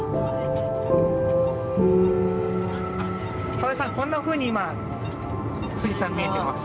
河合さんこんなふうに今富士山見えてます。